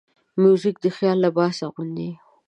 موزیک د خیال لباس اغوندي.